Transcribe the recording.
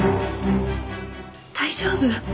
大丈夫。